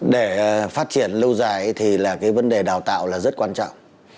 để phát triển lâu dài thì là cái vấn đề đào tạo là rất quan trọng